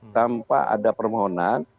tanpa ada permohonan